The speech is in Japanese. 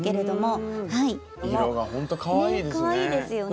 色がほんとかわいいですね。